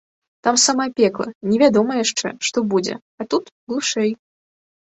Там самае пекла, невядома яшчэ, што будзе, а тут глушэй.